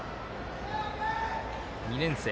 ２年生。